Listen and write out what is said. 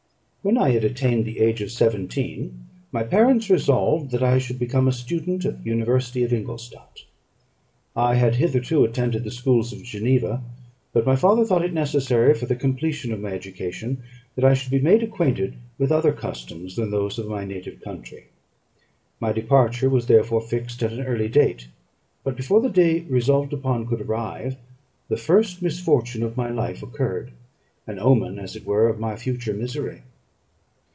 When I had attained the age of seventeen, my parents resolved that I should become a student at the university of Ingolstadt. I had hitherto attended the schools of Geneva; but my father thought it necessary, for the completion of my education, that I should be made acquainted with other customs than those of my native country. My departure was therefore fixed at an early date; but, before the day resolved upon could arrive, the first misfortune of my life occurred an omen, as it were, of my future misery.